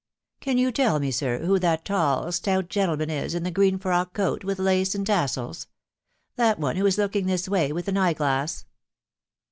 " Can you tell me, sir, who that tall, stout gentleman is in the green frock coat, with lace and tassels ?.... That one who is looking this way with an eye glass."